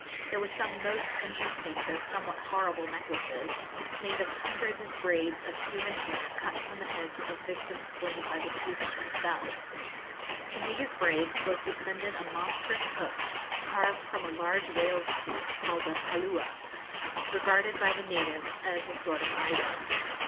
There were some most interesting though somewhat horrible necklaces made of hundreds of braids of human hair cut from the heads of victims slain by the chiefs themselves; from these braids was suspended a monstrous hook carved from a large whale's tooth, called a Paloola, regarded by the natives as a sort of idol.